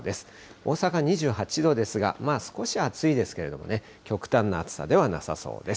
大阪２８度ですが、まあ少し暑いですけれども、極端な暑さではなさそうです。